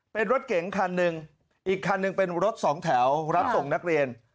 เป็นรถเก๋งคันหนึ่งอีกคันหนึ่งเป็นรถสองแถวรับส่งนักเรียน